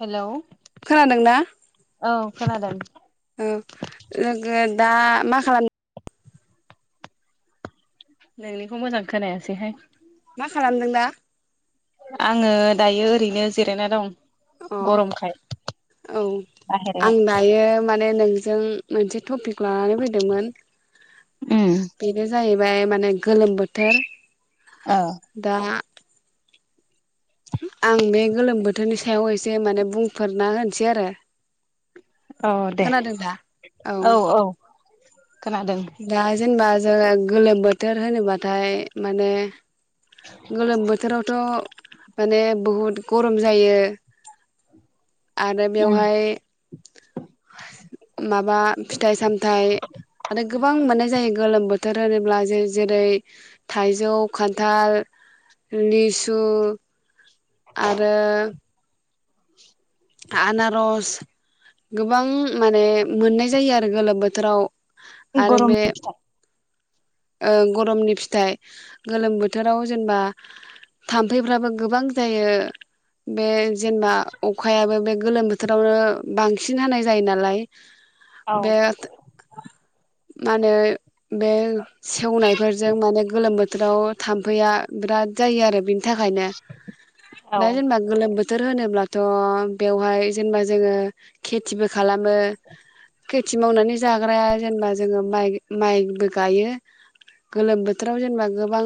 Hello खोनादोंना औ खोनादों औ लोगो दा मा खालाम नोंनिखौ मोजां खोनायासैहाय मा खालामदों दा आङो दायो ओरैनो जिरायना दं अ गरमखाय औ आं बाहेरायाव। दायो माने ए नोंजों मोनसे टपिक लानानै फैदोंमोन उम बेनो जाहै जायमाने गोलोम बोथोर दा आं बे गोलोम बोथोरनि सायाव एसे माने बुंफोरना होनोसै आरो औ दे खोनादों दा औ औ [inaudible] दा जेनेबा जोङो गोलोम बोथोर होनोबाथाय माने गोलोम बोथोरावथ' माने बहुद गरम जायो आरो बेवहाय उम। माबा फिथाइ सामथायाइ आरो गोबां मोननाय जायो गोलोम बोथोर होनोब्ला जे जेरै थाइजौ खान्थाल लिसु आरो [inaudible] आनारस गोबां माने मोननाय जायो आरो गोलोम बोथोराव आरो गरम बे नि फिथाइ ओ गरमनि फिथाइ गोलोम बोथोराव जेनेबा थाम्फैफ्राबो गोबां जायो बे जेनेबा अखायाबो बे गोलोम बोथोरावनो बांसिन हानाय जायो नालाय औ बे मा होनो बे सेवनायफोरजों माने गोलोम बोथोराव थाम्फैया बिराद जायो आरो बि थाखायनो औ दा जेनेबा गोलोम बोथोर होनोब्ला थ' बेवहाय जेनेबा जोङो खेथिबो खालामो खेथि मावनानै जाग्राया जेनेबा जोङो माइ माइबो गायो गोलोम बोथोराव जेनेबा गोबां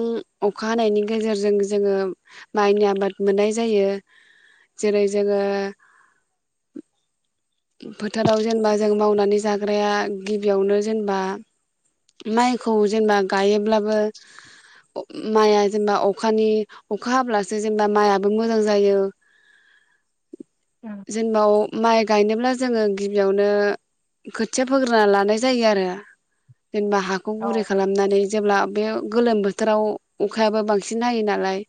अखा हानायनि गेजेरजों जोङो माइनि आबाद मोननाय जायो जेरै जोङो [inaudible] फोथाराव जेनेबा जों मावनानै जाग्राया गिबियावनो जेनेबा माइखौ जेनेबा गायोब्लाबो माइआ जेनेबा अखानि अखा हाब्लासो जेनेबा माइ आबो मोजां जायो उम जेनेबाव माइ बेनोब्ला जोङो गिबियावनो खोथिया फोग्रोना लानाय जायो आरो जेनेबा हाखौ औ गुरै खालामनानै जेब्ला बे गोलोम बोथोराव अखायाबो बांसिन हायो नालाय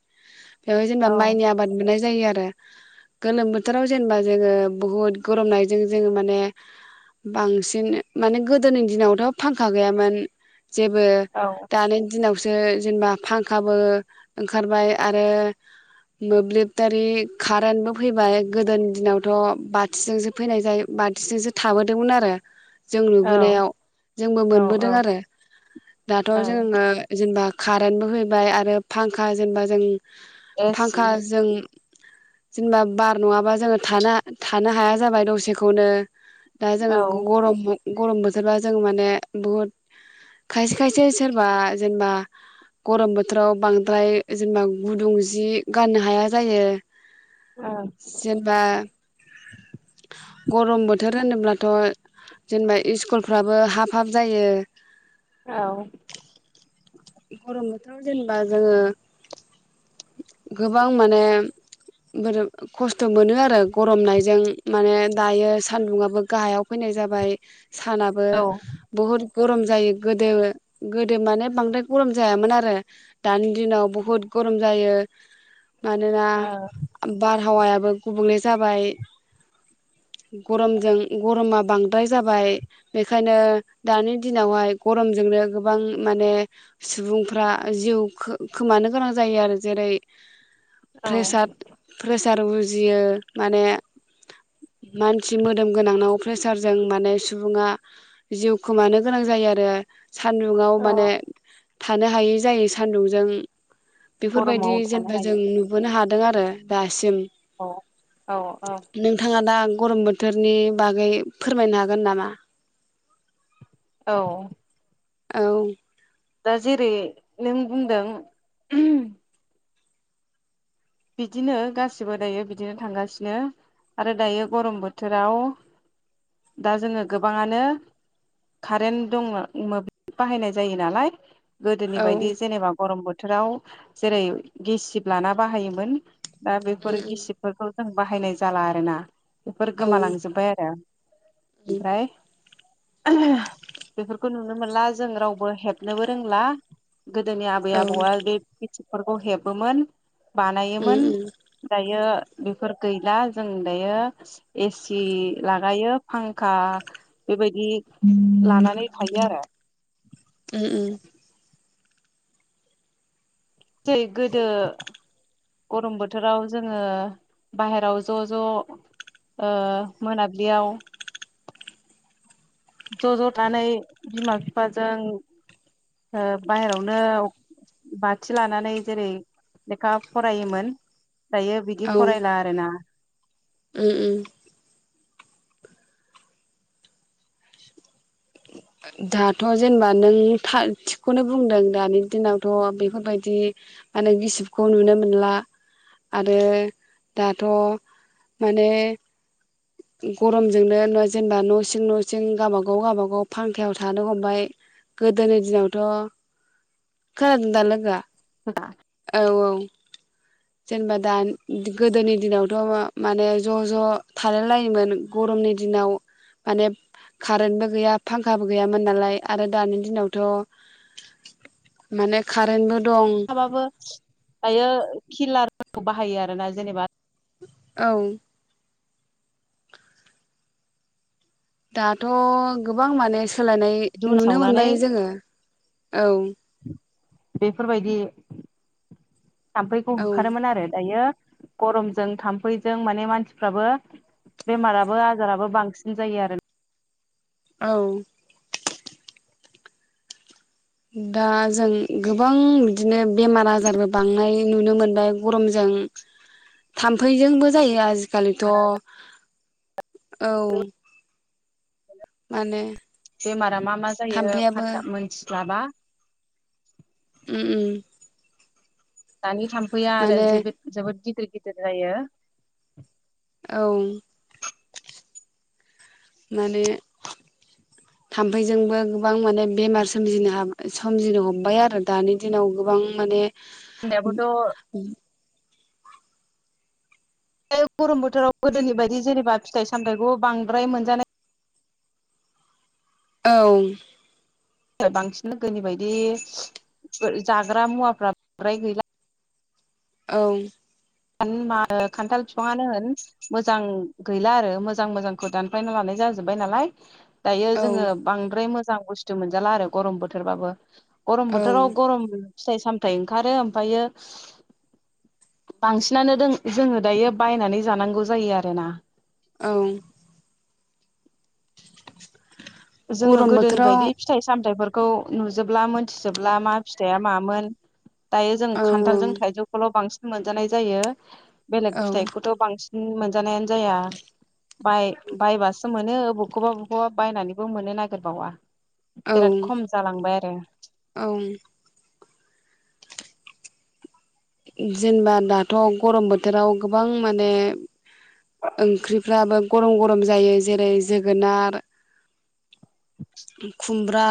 बेवहाय जेनेबा औ माइनि आबाद मोननाय जायो आरो [unintelligible] गोलोम बोथोराव जेनेबा जोङो बुहुद गरमनायजों जोङो माने बांसिन माने गोदोनि दिनावथ' फांखा गैयामोन जेबो औ दानि दिनाव सो जेनेबा फांखाबो ओंखारबाय आरो मोब्लिबारि कारेन्बो फैबाय गोदोनि दिनावथ' बा थिजोंसो फैनाय जाय बाथिजोंसो थाबोदोंमोन आरो जों औ नुबोनायाव जोंबो औ औ। मोनबोदों आरो दाथ' औ जोङो जेनेबा कारेन्बो फैबाय आरो फांखा जेनेबा जों एसि फांखा जों जेनेबा बार नङाबा जोङो थाना थानो हाया जाबाय दसेखौनो दा जोङो औ गरम गरम बोथोरबा जों माने बुहुद खायसे खायसे सोरबा जेनेबा गरम बोथोराव बांद्राय जेनेबा गुदुं जि गाननो हाया जायो। औ [inaudible] जेनेबा गरम बोथोर होनोब्लाथ' जेनेबा इसकुलफ्राबो हाब हाब जायो औ गरम बोथोराव जेनेबा जोङो गोबां माने बोरो खस्थ' मोनो आरो गरमनायजों माने दायो सान्दुंङाबो गाहायाव फैनाय जाबाय सानाबो ओ बहुत गरम जायो गोदो गोदो माने बांद्राय गरम जायामोन आरो दानि दिनाव बहुद गरम जायो। मानोना औ बार हावायाबो गुबुंले जाबाय गरमजों गरमा बांद्राय जाबाय बेखायनो दानि दिनावहाय गरमजोंनो गोबां माने सुबुंफ्रा जिउ खोमानो गोनां जायो आरो जेरै प्रेसाद प्रेस [unintelligible] उजियो माने मानसि मोदोम गोनांनाव प्रेसारजों माने सुबुङा जिउ खोमानो गोनां जायो आरो सान्दुङाव औ माने थानो हायै जायो सान्दुंजों बेफोरबायदि गरमाव थानो जेनेबा जों हायो नुबोनो हाद दों आरो दासिम औ। औ औ नोंथाङा दा गरम बोथोरनि बागै फोरमायनो हागोन नामा? औ। औ। दा जेरै नों बुंदों। बिदिनो गासिबो दायो बिदिनो थांगासिनो आरो दायो गरम बोथोराव दा जोङो गोबाङानो कारेन्ट दं मोब्लिब बाहायनाय जायो नालाय। गोदोनि औ बायदि जेनेबा गरम बोथ थोराव जेरै गेसिब लाना बाहायोमोन मोन। दा बेफोर उम उम गिसिबफोरखौ जों बाहायनाय जाला आरोना। बेफोर औ गोमालांजोबबाय आरो। ओमफ्राय। बेफोरखौ नुनो मोनला जों रावबो हेबनोबो रोंला। गोदोनि आबै उम आबौआ बे गिसिब फोरखौ हेबोमोन। बानायोमोन उम दायो बेफोर गैला जों दायो एसि लागायो फांखा बेबायदि लानानै थायो आरो। उम उम। जेरै गोदो गरम बोथोराव जोङो बाहेराव ज' ज' ओ मोनाब्लियाव ज' ज' थानानै बिमा बिफाजों ओ बाहेरायावनो बाथि लानानै जेरै लेखा फरायोमोन। दायो बिदि औ फरायला आरोना। उम उम। दाथ' जेनेबा नों था थिगखौनो बुंदों दानि दिनावथ' बेफोरबायदि माने गिसिबखौ नुनो मोनला आरो दाथ' माने गरमजोंनो जेनेबा न' सिं न' सिं गाबागाव गाबागाव फांखायाव थानो हमबाय गोदोनि दिनावथ' खोनादों दा लोगोआ? औ [unintelligible] जेनेबा दा गोदोनि दिनावथ' माने ज' ज' थालाय लायोमोन गरमनि दिनाव माने कारेन्तबो गैया। फांखाबो गैयामोन नालाय आरो दानि दिनावथ' माने कारेन्टबो दं माबाबो दायो खिलार बाहायो आरोना जेनेबा औ। दाथ' गोबां माने सोलायनाय दुन नुनो सावनानै मोनबाय जोङो औ। बेफोरबायदि। थाम्फैखौ औ होखारोमोन आरो दायो गरमजों थाम्फैजों माने मानसिफ्राबो बेमाराबो आजाराबो बांसिन जायो आरो। औ दा जों गोबां बिदिनो बेमार आजारबो बांनाय नुनो मोनबाय गरमजों थाम फै जोंबो जायो आजिकालिथ' औ माने बेमारा मा मा जायो थाम्फैयाबो फाथ्था मिथिस्लाबा उम उम दानि थाम फैया आरो माने जिबोद जोबोद गिदिर गिदिर जायो। औ माने थाम्फैजोंबो गोबां माने बेमार सोमजिनो हाबा सोमजिनो हमबाय आरो दानि दिनाव गोबां माने दाबोथ' बे गरम बोथोराव गोदोनि बायदि जेनेबा फिथाइ सामथायइखौ बांद्राय मोनजानाय औ [unintelligible] बांसिन गोदोनि बायदि ओ जाग्रा मुवाफ्रा फ्राय गैला। औ मा खान्थाल बिफाङानो होन मोजां गैला आरो मोजां मोजांखौ दानफायना लानाय जाजोब्बाय नालाय दायो औ जोङो बांद्राय मो मोजां बुस्थु मोनजाला आरो गरम बोथोरबाबो। गरम औ बोथोराव गरम फिथाइ सामथाइ ओंखारो ओमफायो बांसिनानो दों जोङो दायो बायनानै जानांगौ जायो आरोना। औ जोङो गरम गोदोनि बोथोराव बायदि फिथाइ सामथाइफोर खौ नुजोबला मोनथिजोबला मा फिथाइया मामोन? दायो जों औ खान्थालजों थाइजौखौल' बांसिन मोनजानाय जायो। बेलेग औ फिथाइखौथ' बांसि न उम मोनजानायानो जाया। बाय बायबासो मोन नो बखौबा बखौबा बायनानै बो मोननो नागेरबावा। बिराद औ खम जालांबाय दा औ जेनबा दाथ' गरम बोथोराव गोबां माने ओंख्रिफ्राबो गरम गरम जायो जेरै जोगोनार खुमब बा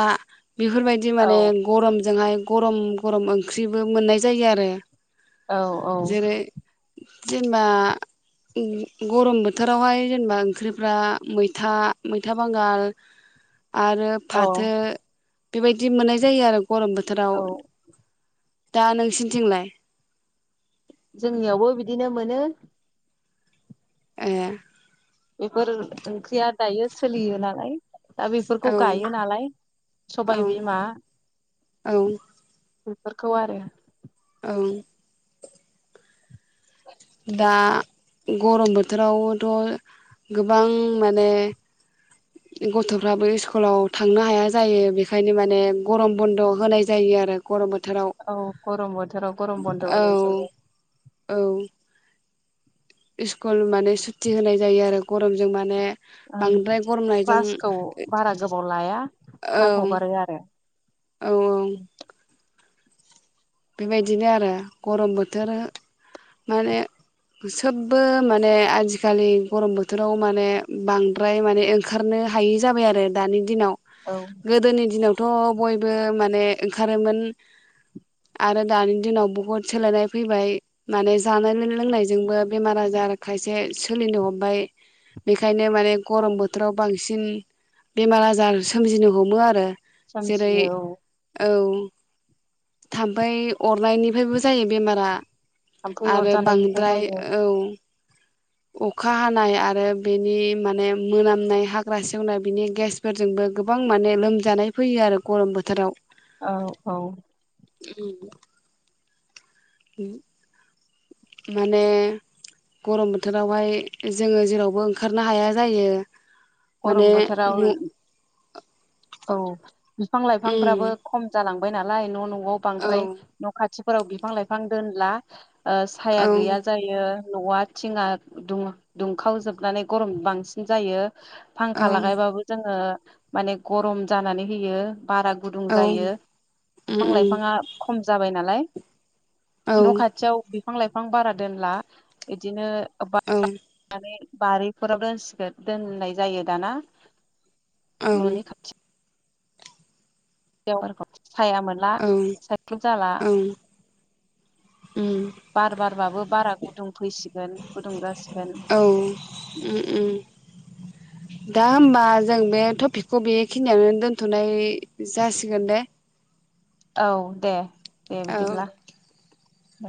बेफोरबायदि औ माने गरमजोंहाय गरम गरम ओंख्रिबो मोननाय जायो आरो औ औ जेरै जेनेबा ग गरम बोथोरावहाय जेनेबा ओंख्रिफ्रा मैथा मैथा बांगाल आरो औ फाथो बेबायदि मोननाय जायो आरोब गरम बोथोराव औ दा नोंसिनिथिंलाय? जोंनियावबो बिदिनो मोनो। ए बेफोर ओंख्रिया दायो सोलियो नालाय दा बेफोरखौ औ गायो नालाय औ सबाय बिमा औ बेफोरखौ आरो ओम दा गरम बोथोरावथ' गोबां माने गथ'फ्राबो इस्कुलाव थांनो हाया जायो बेखायनो माने गरम बन्द' होनाय जायो आरो गरम बोथ औ गरम बोथोराव गरम बन्द' औ होनायसैबो औ स्कुल माने सुतटि होनाय जायो आरो गरमजों माने ओ बांद्राय गरमनायजों क्लासखौ बारा गोबाव लाया औ थाब हगारो आरो औ बेबायदिनो आरो गरम बोथोर माने सोबबो माने आजिखालि गरम बोथोराव माने बांद्राय माने ओंखारनो हायि जाबाय आरो दानि दिनाव। औ गोदोनि दिनाव थ' बयबो माने ओंखारोमोन। आरो दानि दिनाव बुहुद सोलायनाय फैबाय माने जानाय लोंनायजोंबो बेमार आजार खायसे सोलिनो हमबाय बेखायनो बे माने औ गरम बोथोराव बांसिन बेमार आजार सोमजिनो हमो आरो जेरै सोमजियो औ औ [inaudible] थामफै अरनायनिफ्रायबो जायो बेमारा। थाम्फै आरो अरजानायनिफ्राय बांद्राय जायो औ अखा हानाय आरो बेनि माने मोनामनाय हाग्रा सेवनाय बिनि गेसफोरजोंबो गोबां माने लोमजानाय फैयो आरो गरम बोथोराव। औ औ उम उम माने गरम बोथोरावहाय जोङो जेरावबो ओंखारनो हाया जायो। माने गरम बोथोराव उमहो औ बिफां लाइफांफ्राबो खम जालां बाय नालाय न' न न'आव औ बांद्राय न' खाथि फोराव बिफां लाइफां दोनला। ओ साया औ गैया जायो। न'आ थिंआ दुं दुंखावजोबनानै गरम बांसिन जायो। औ फांखा लागायबाबो जोङो माने गरम जानानै होयो। बारा गुदुं औ जायो उम बिफां उम लाइफाङा खम जाबाय नालाय न' औ खाथियाव बिफां बिफां लाइफां बारा दोनला इदिनो [unintelligible] अब बा औ माने बारिफोराव दोनसिगोन दोननाय जायो दाना। औ न'नि खाथि याव साया मोनला औ साइख्लुम जाला उम बार बारबाबो बारा गुदुं फैसिगोन गुदुं जासिगोन। औ उम उम दा होमबा जों बे टपिकखौ बेखिनियानो दोनथ'नाय जासिगोन दे। औ दे दे औ बिदिब्ला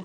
दे